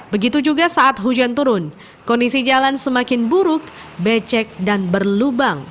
begitu juga saat hujan turun kondisi jalan semakin buruk becek dan berlubang